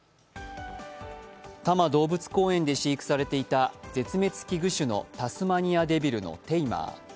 多摩動物公園で飼育されていた絶滅危惧種のタスマニアデビルのテイマー。